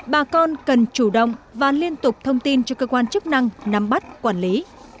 bà con cần chủ động và liên tục thông tin cho cơ quan chức năng nắm bắt quản lý